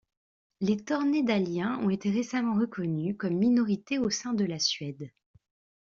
Les Tornédaliens ont été récemment reconnus comme minorité au sein de la Suède.